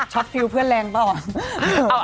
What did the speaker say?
ช็อตฟิวเพื่อนแรงต่อ